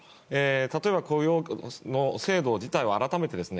例えば、雇用の制度自体を改めてですね。